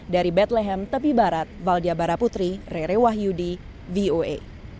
dari bethlehem tepi barat valdia baraputri rere wahyudi voe